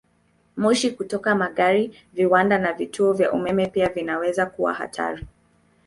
Moshi kutoka magari, viwanda, na vituo vya umeme pia vinaweza kuwa hatari.